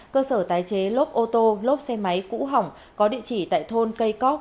cơ sở tái chế lốp ô tô lốp xe máy cũ hỏng có địa chỉ tại thôn cây cóc